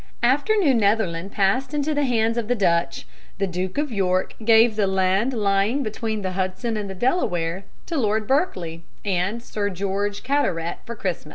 After New Netherland passed into the hands of the Dutch, the Duke of York gave the land lying between the Hudson and the Delaware to Lord Berkeley and Sir George Carteret for Christmas.